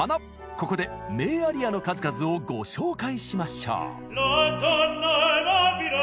ここで名アリアの数々をご紹介しましょう。